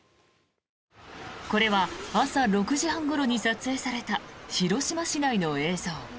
これは朝６時半ごろに撮影された広島市内の映像。